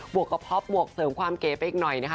วกกระเพาะบวกเสริมความเก๋ไปอีกหน่อยนะคะ